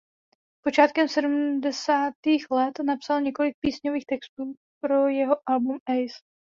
Počátkem sedmdesátých let napsal několik písňových textů pro jeho album "Ace".